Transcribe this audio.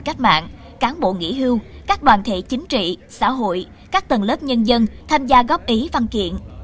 cán bộ nghỉ hưu các đoàn thể chính trị xã hội các tầng lớp nhân dân tham gia góp ý văn kiện